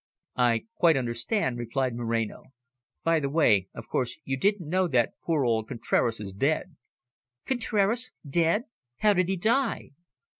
"I quite understand," replied Moreno. "By the way, of course you didn't know that poor old Contraras is dead." "Contraras dead? How did he die?"